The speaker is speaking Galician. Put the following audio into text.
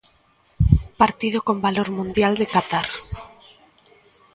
Partido con valor mundial de Qatar.